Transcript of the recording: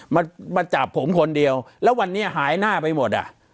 มามาจับผมคนเดียวแล้ววันนี้หายหน้าไปหมดอ่ะ